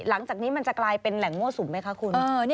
หลังจากนี้มันจะกลายเป็นแหล่งมั่วสุมไหมคะคุณ